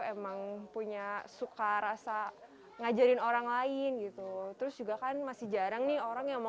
emang punya suka rasa ngajarin orang lain gitu terus juga kan masih jarang nih orang yang mau